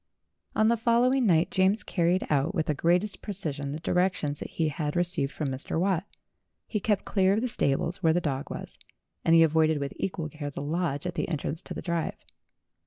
On the following night James carried out with the greatest precision the directions that he had received from Mr. Watt. He kept clear of the stables where the dog was, and he avoided with equal care the lodge at the entrance to the drive.